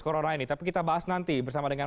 corona ini tapi kita bahas nanti bersama dengan